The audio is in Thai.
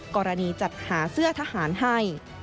จัดหาเสื้อทหารให้